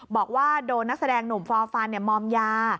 บอกว่าโดนนักแสดงหนุ่มฟอร์ฟันมอมยา